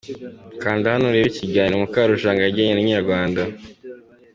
Kanda hano urebe ikiganiro Mukarujanga yagiranye na Inyarwanda.